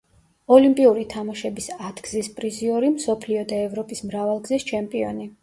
ოლიმპიური თამაშების ათგზის პრიზიორი, მსოფლიო და ევროპის მრავალგზის ჩემპიონი.